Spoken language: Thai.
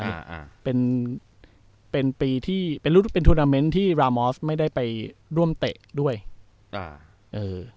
อ่าอ่าเป็นเป็นปีที่เป็นรุ่นเป็นทูนาเมนต์ที่รามอสไม่ได้ไปร่วมเตะด้วยอ่าเออ